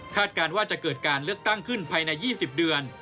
การว่าจะเกิดการเลือกตั้งขึ้นภายใน๒๐เดือน